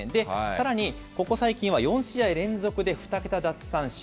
さらにここ最近は４試合連続で２桁奪三振。